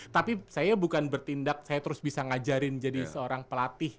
tapi saya bukan bertindak saya terus bisa ngajarin jadi seorang pelatih